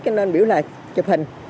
cho nên biểu là chụp hình